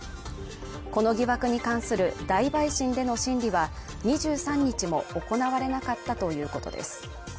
この疑惑に関する大陪審での審理は２３日も行われなかったということです。